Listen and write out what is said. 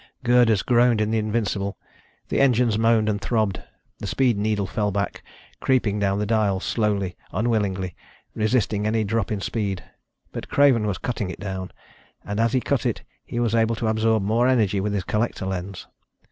Girders groaned in the Invincible, the engines moaned and throbbed. The speed needle fell back, creeping down the dial, slowly, unwillingly, resisting any drop in speed. But Craven was cutting it down. And as he cut it, he was able to absorb more energy with his collector lens.